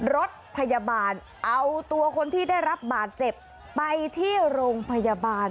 รถพยาบาลเอาตัวคนที่ได้รับบาดเจ็บไปที่โรงพยาบาล